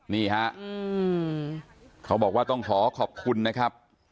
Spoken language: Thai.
นี่ฮะเขาบอกว่าต้องขอขอบคุณนะครับ